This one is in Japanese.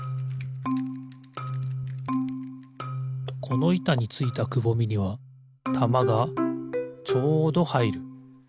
このいたについたくぼみにはたまがちょうどはいる。